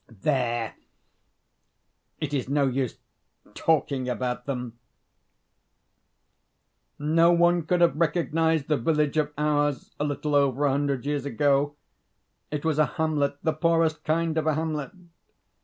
There, it is no use talking about them! No one could have recognised the village of ours a little over a hundred years ago; it was a hamlet, the poorest kind of a hamlet.